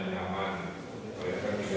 selamat pagi aman dan nyaman